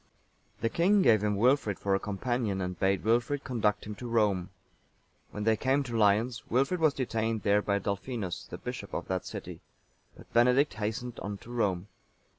The king gave him Wilfrid for a companion, and bade Wilfrid conduct him to Rome. When they came to Lyons, Wilfrid was detained there by Dalfinus,(897) the bishop of that city; but Benedict hastened on to Rome.